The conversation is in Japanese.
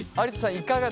いかがですか？